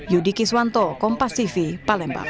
yudi kiswanto kompas tv palembang